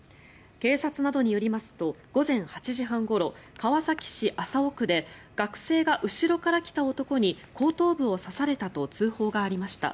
警察などによりますと午前８時半ごろ、川崎市麻生区で学生が後ろから来た男に後頭部を刺されたと通報がありました。